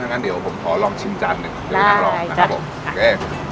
ทั้งงานเดี๋ยวผมขอลองชิมจานหนึ่งได้ได้จัดนะครับผมโอเค